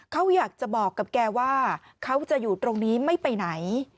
เขาอยากจะบอกกับแกว่าเขาจะอยู่ตรงนี้ไม่ไปไหน